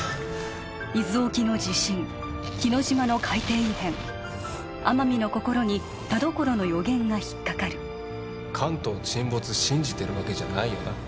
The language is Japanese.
伊豆沖の地震日之島の海底異変天海の心に田所の予言が引っ掛かる関東沈没信じてるわけじゃないよな？